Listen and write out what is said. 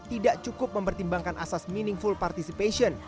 tidak cukup mempertimbangkan asas meaningful participation